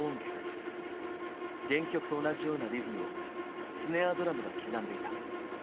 原曲と同じようなリズムをスネアドラムが刻んでいた。